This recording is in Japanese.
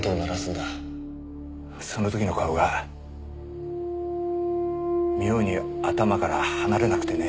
その時の顔が妙に頭から離れなくてね。